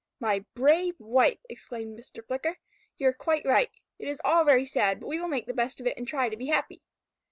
"My brave wife!" exclaimed Mr. Flicker. "You are quite right. It is all very sad, but we will make the best of it and try to be happy."